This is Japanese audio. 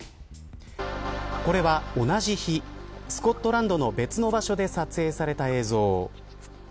これは同じ日スコットランドの別の場所で撮影された映像。